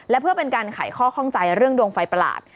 และเพื่อเป็นการไขข้อข้องใจเรื่องดวงไฟประหลาด